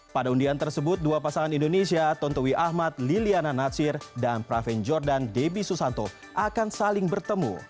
pada undian tersebut dua pasangan indonesia tontowi ahmad liliana natsir dan praven jordan debbie susanto akan saling bertemu